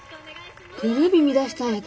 テレビ見だしたんやけど。